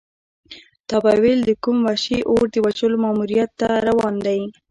تا به ویل د کوم وحشي اور د وژلو ماموریت ته روان دی.